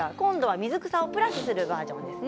水草をプラスするバージョンです。